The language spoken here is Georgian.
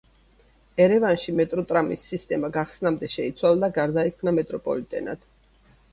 ერევანში მეტროტრამის სისტემა გახსნამდე შეიცვალა და გარდაიქმნა მეტროპოლიტენად.